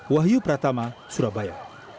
wahyu pratama surabaya